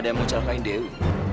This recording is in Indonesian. ada yang mau celakain dewi